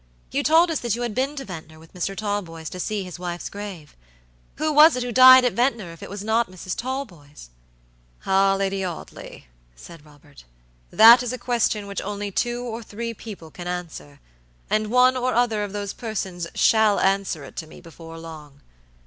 "You told us that you had been to Ventnor with Mr. Talboys to see his wife's grave. Who was it who died at Ventnor if it was not Mrs. Talboys?" "Ah, Lady Audley," said Robert, "that is a question which only two or three people can answer, and one or other of those persons shall answer it to me before long.